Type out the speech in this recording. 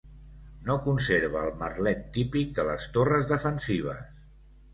No conserva el merlet típic de les torres defensives.